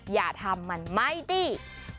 อย่าทำมันไม่ดี